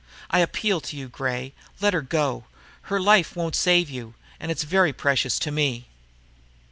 "I appeal to you, Gray, to let her go. Her life won't save you. And it's very precious to me."